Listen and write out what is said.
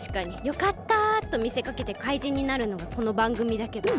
「よかった」とみせかけてかいじんになるのがこのばんぐみだけど。